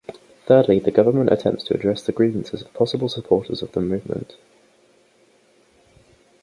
Thirdly, the government attempts to address the grievances of possible supporters of the movement.